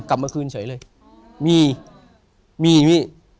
กลับมาคืนเฉยเลยมีมีพี่